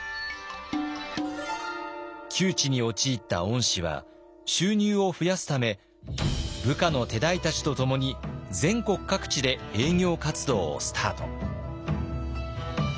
窮地に陥った御師は収入を増やすため部下の手代たちと共に全国各地で営業活動をスタート。